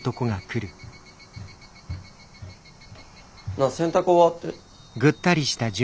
なあ洗濯終わって。